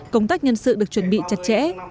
công tác nhân sự được chuẩn bị chặt chẽ